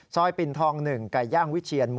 ซอยปิ่นทอง๑กาย่างวิทเชียร